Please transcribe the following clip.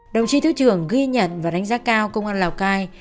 đồng chí thứ trưởng ghi nhận và đánh giá cao công an lào cai